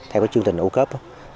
theo chương trình ủ cấp